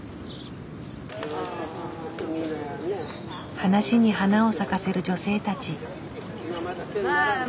話に花を咲かせる女性たち。